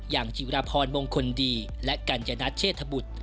อย่างจิวราพรมงคลดีและกัญญาณัชเชษฐบุตร